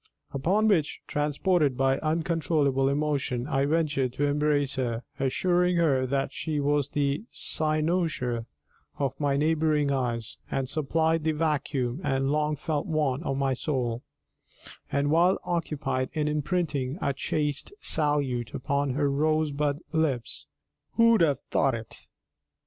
Upon which, transported by uncontrollable emotion, I ventured to embrace her, assuring her that she was the cynosure of my neighbouring eyes, and supplied the vacuum and long felt want of my soul, and while occupied in imprinting a chaste salute upon her rosebud lips who'd have thought it!